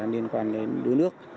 liên quan đến đuối nước